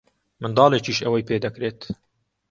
منداڵێکیش ئەوەی پێ دەکرێت.